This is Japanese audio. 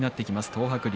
東白龍。